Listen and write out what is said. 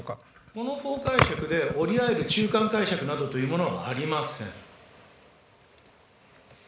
この法解釈で折り合える中間解釈などというものはありません。